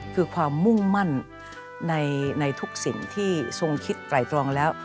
คือความมุ่งมั่นในทุกสิ่งที่ทรงคิดไตรตรองแล้ว